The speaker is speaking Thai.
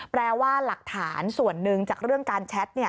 แปลว่าหลักฐานส่วนหนึ่งจากเรื่องการแชท